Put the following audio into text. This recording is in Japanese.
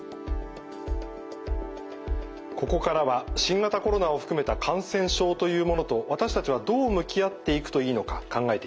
ここからは新型コロナを含めた感染症というものと私たちはどう向き合っていくといいのか考えていきます。